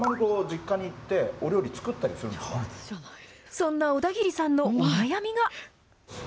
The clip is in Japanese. そんな小田切さんのお悩みが。